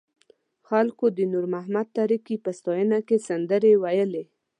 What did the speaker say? خلکو د نور محمد تره کي په ستاینه کې سندرې ویلې.